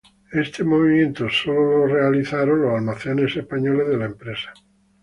Este movimiento sólo fue llevado a cabo por los almacenes españoles de la empresa.